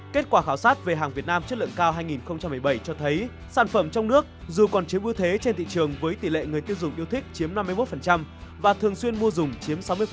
kết quả khảo sát về hàng việt nam chất lượng cao hai nghìn một mươi bảy cho thấy sản phẩm trong nước dù còn chiếm ưu thế trên thị trường với tỷ lệ người tiêu dùng yêu thích chiếm năm mươi một và thường xuyên mua dùng chiếm sáu mươi